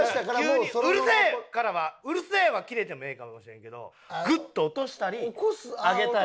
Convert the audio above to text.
急に「うるせえ！」からは「うるせえ！」はキレてもええかもしれんけどグッと落としたり上げたり。